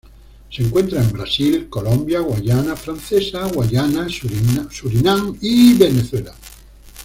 Se encuentra en Brasil, Colombia, Guayana francesa, Guyana, Surinam y Venezuela.